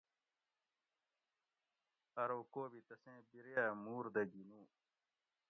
ارو کو بھی تسیں بِریہ موُر دہ گھی نُو